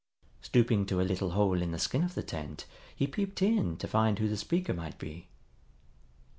Stooping to a little hole in the skin of the tent he peeped in to find who the speaker might be.